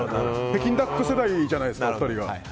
北京ダック世代じゃないですか。